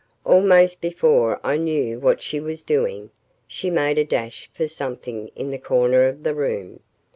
Almost before I knew what she was doing, she made a dash for something in the corner of the room.